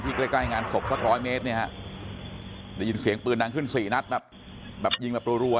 ตรงเลยแต่เรารู้สึกเหมือนกระสุนดัง